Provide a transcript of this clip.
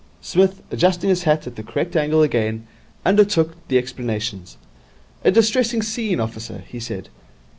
Psmith, adjusting his hat at the correct angle again, undertook the explanations. 'A distressing scene, officer,' he said.